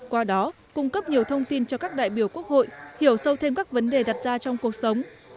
qua đó cung cấp nhiều thông tin cho các đại biểu quốc hội hiểu sâu thêm các vấn đề đặt ra trong cuộc sống